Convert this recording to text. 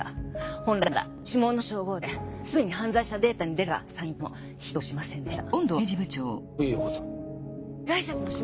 本来なら指紋の照合ですぐに犯罪者データに出るはずが３人ともヒットしませんでした。